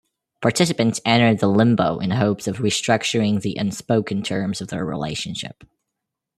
Participants enter the Limbo in hopes of restructuring the unspoken terms of their relationship.